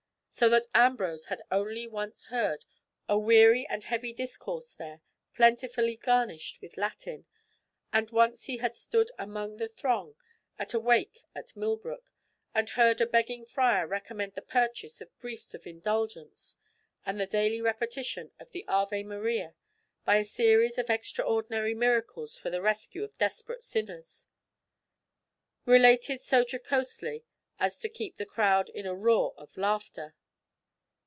So that Ambrose had only once heard a weary and heavy discourse there plentifully garnished with Latin; and once he had stood among the throng at a wake at Millbrook, and heard a begging friar recommend the purchase of briefs of indulgence and the daily repetition of the Ave Maria by a series of extraordinary miracles for the rescue of desperate sinners, related so jocosely as to keep the crowd in a roar of laughter.